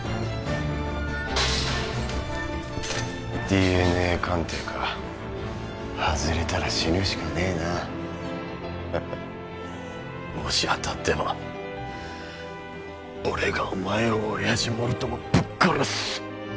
ＤＮＡ鑑定か外れたら死ぬしかねえなもし当たっても俺がお前を親父もろともぶっ殺す